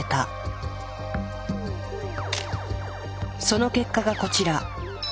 その結果がこちら。